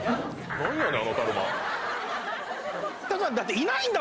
何やねん！